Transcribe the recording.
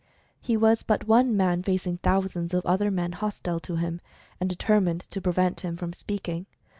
He was but one man facing thousands of other men hostile to him, and determined to prevent him from speaking.